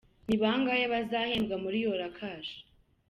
Ni bangahe bazahembwa muri “Yora Cash”?.